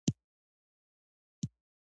کورني استازي د بهرنیانو په ګټه کار کوي